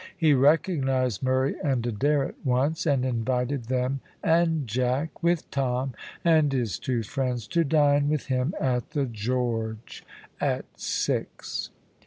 He recognised Murray and Adair at once, and invited them and Jack, with Tom and his two friends to dine with him at the "George" at six.